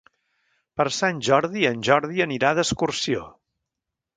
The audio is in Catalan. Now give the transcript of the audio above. Per Sant Jordi en Jordi anirà d'excursió.